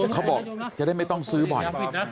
เขาบอกจะได้ไม่ต้องซื้อบ่อย